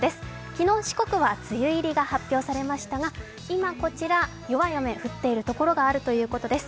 昨日四国は、梅雨入りが発表されましたが、今、こちら、弱い雨、降っている所があるということです。